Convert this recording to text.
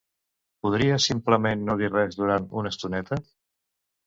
Podries simplement no dir res durant una estoneta?